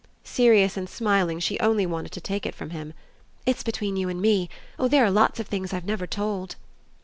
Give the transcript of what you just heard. Serious and smiling she only wanted to take it from him. "It's between you and me! Oh there are lots of things I've never told!"